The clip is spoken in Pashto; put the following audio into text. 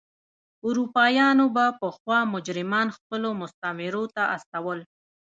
اروپایانو به پخوا مجرمان خپلو مستعمرو ته استول.